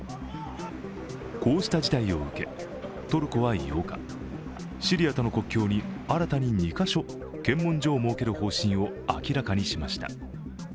こうした事態を受け、トルコは８日、シリアとの国境に、新たに２か所検問所を設ける方針を明らかにしました。